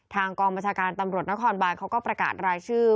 กองบัญชาการตำรวจนครบานเขาก็ประกาศรายชื่อ